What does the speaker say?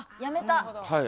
はい。